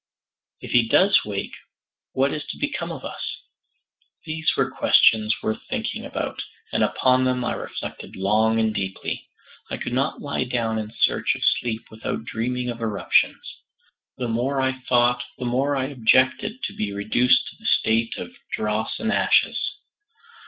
"If he does wake what is to become of us?" These were questions worth thinking about, and upon them I reflected long and deeply. I could not lie down in search of sleep without dreaming of eruptions. The more I thought, the more I objected to be reduced to the state of dross and ashes.